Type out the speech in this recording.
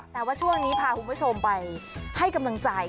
แต่ว่าช่วงนี้พาคุณผู้ชมไปให้กำลังใจ